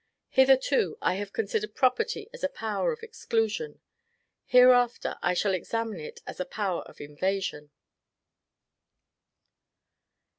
Hitherto, I have considered property as a power of EXCLUSION; hereafter, I shall examine it as a power of INVASION.